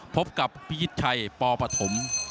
พบกับพี่ยิดชัยปอปฐม